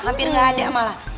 hampir gak ada malah